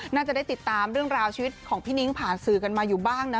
น่าจะได้ติดตามเรื่องราวชีวิตของพี่นิ้งผ่านสื่อกันมาอยู่บ้างนะ